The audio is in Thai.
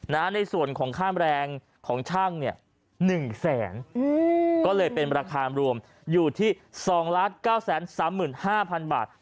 ในส่วนของค่าแรงของช่างเนี่ย๑แสนก็เลยเป็นราคารวมอยู่ที่๒๙๓๕๐๐๐บาท